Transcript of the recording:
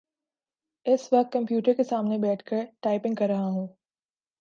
اس وقت کمپیوٹر کے سامنے بیٹھ کر ٹائپنگ کر رہا ہوں